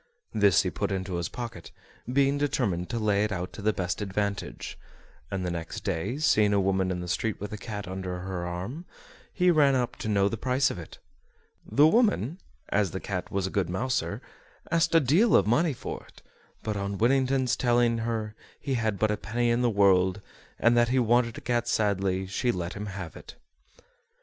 This he put into his pocket, being determined to lay it out to the best advantage; and the next day, seeing a woman in the street with a cat under her arm, he ran up to know the price of it. The woman (as the cat was a good mouser) asked a deal of money for it, but on Whittington's telling her he had but a penny in the world, and that he wanted a cat sadly, she let him have it.